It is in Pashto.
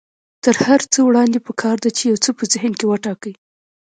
تر هر څه وړاندې پکار ده چې يو څه په ذهن کې وټاکئ.